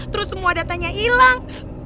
terus semua datanya hilang